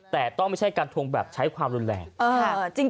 แต่ต้องไม่ใช่การทวงแบบใช้ความรุนแรง